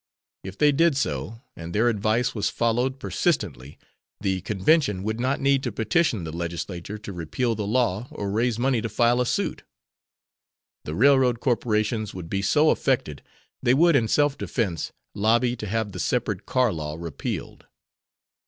If they did so, and their advice was followed persistently the convention would not need to petition the Legislature to repeal the law or raise money to file a suit. The railroad corporations would be so effected they would in self defense lobby to have the separate car law repealed.